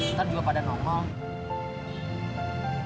ntar juga pada nongol